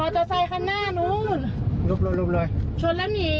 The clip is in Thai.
ชนแล้วหนีค่ะชนแล้วหนี